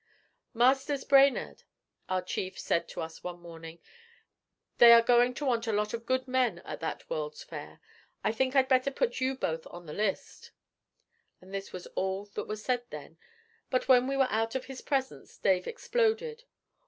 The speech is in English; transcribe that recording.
'Masters, Brainerd,' our chief said to us one morning, 'they are going to want a lot of good men at that World's Fair; I think I'd better put you both on the list.' And this was all that was said then, but when we were out of his presence Dave exploded.